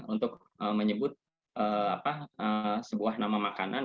untuk menyebut sebuah nama makanan